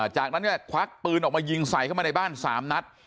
จากนั้นก็ควักปืนออกมายิงใส่เข้ามาในบ้าน๓นัด